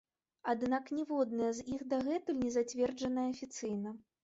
Аднак ніводная з іх дагэтуль не зацверджаная афіцыйна.